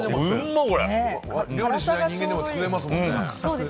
料理を知らない人間でも作れますもんね。